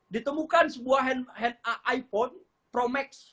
ditemukan sebuah iphone pro max